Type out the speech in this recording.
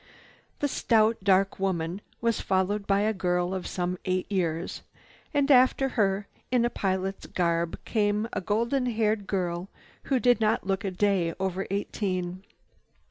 The stout, dark woman was followed by a girl of some eight years. And after her, in a pilot's garb, came a golden haired girl who did not look a day over eighteen.